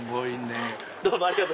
どうもありがとう。